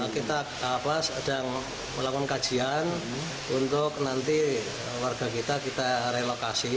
kita sedang melakukan kajian untuk nanti warga kita kita relokasi